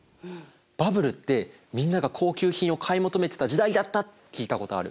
バブルってみんなが高級品を買い求めてた時代だったって聞いたことある。